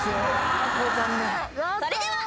それでは。